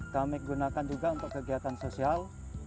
kami gunakan juga untuk kegiatan sosial